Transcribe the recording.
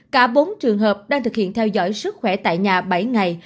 cả bốn trường hợp đang thực hiện theo dõi sức khỏe tại nhà bảy ngày